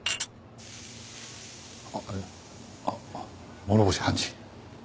あっいや諸星判事。